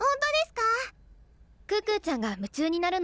⁉可可ちゃんが夢中になるのも分かる。